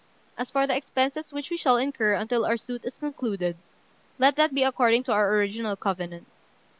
As for the expenses which we shall incur until our suit is concluded, let that be according to our original covenant.